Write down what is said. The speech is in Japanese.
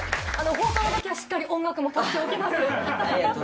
放送のときはしっかり音楽も足しておきます。